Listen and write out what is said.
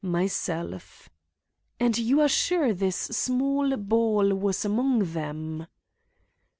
"Myself." "And you are sure this small ball was among them?"